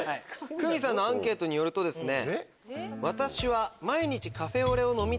クミさんのアンケートによるとですね。